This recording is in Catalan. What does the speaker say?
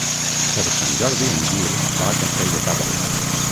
Per Sant Jordi en Gil va a Castell de Cabres.